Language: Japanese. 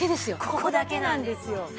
ここだけなんですよ。